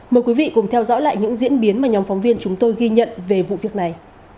mời quý vị cùng theo dõi lại những diễn biến mà nhóm phóng viên chúng tôi ghi nhận về vụ việc này